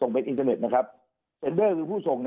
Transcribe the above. ที่เป็นอินเทอร์เนสทั้งหมดเจนเบิ่ลหรือผู้ส่ง